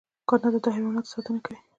کاناډا د حیواناتو ساتنه کوي.